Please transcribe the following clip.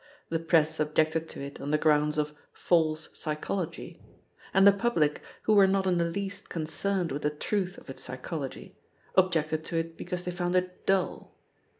The Press ob ijected to it on the grounds of "false psychology," and the public, who were not in the least con cerned with the truth of its psychology, objected to it because they found it dull.